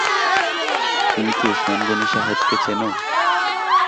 তুমি কি ওসমান গনি সাহেবকে চেন?